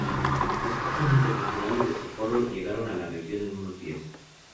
Los equipos internacionales de socorro llegaron a la región en unos días.